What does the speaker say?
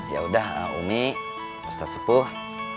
ya udah umi ustadz sepuh